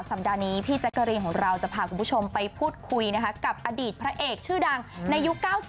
สัปดาห์นี้พี่แจ๊กกะรีนของเราจะพาคุณผู้ชมไปพูดคุยนะคะกับอดีตพระเอกชื่อดังในยุค๙๐